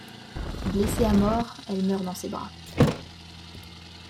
Blessée à mort, elle meurt dans ses bras.